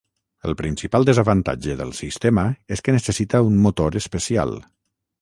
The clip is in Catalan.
El principal desavantatge del sistema és que necessita un motor especial.